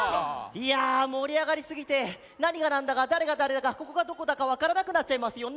いやあもりあがりすぎてなにがなんだかだれがだれだかここがどこだかわからなくなっちゃいますよねえ。